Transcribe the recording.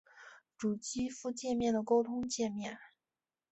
主机埠介面的沟通介面。